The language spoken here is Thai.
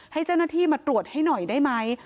ให้เจ้าหน้าที่มาตรวจให้หน่อยได้ไหม